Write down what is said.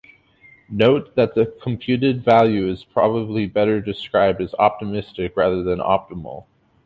Note that the computed value is probably better described as "optimistic" rather than "optimal".